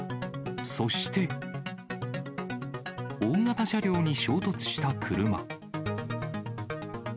そして、大型車両に衝突した車。